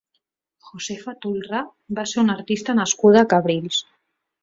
Josefa Tolrà va ser una artista nascuda a Cabrils.